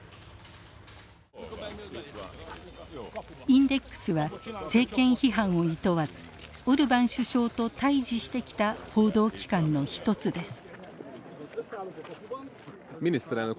インデックスは政権批判をいとわずオルバン首相と対じしてきた報道機関の一つです。